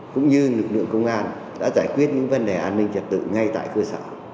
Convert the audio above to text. cũng như lực lượng công an đã giải quyết những vấn đề an ninh trật tự ngay tại cơ sở